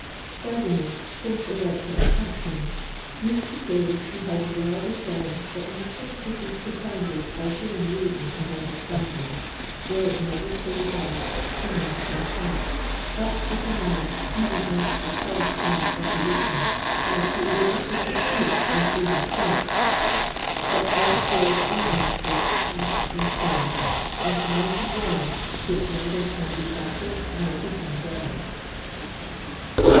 Ferdinand, Prince Elector of Saxony, used to say he had well discerned that nothing could be propounded by human reason and understanding, were it never so wise, cunning, or sharp, but that a man, even out of the selfsame proposition, might be able to confute and overthrow it; but God's Word only stood fast and sure, like a mighty wall which neither can be battered nor beaten down.